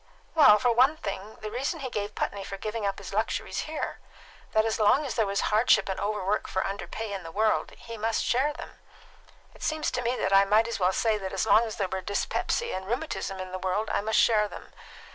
Well, for one thing, the reason he gave Putney for giving up his luxuries here: that as long as there was hardship and overwork for underpay in the world, he must share them. It seems to me that I might as well say that as long as there were dyspepsia and rheumatism in the world, I must share them.